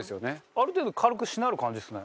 ある程度軽くしなる感じですね。